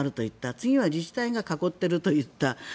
次は自治体が囲っていると言った。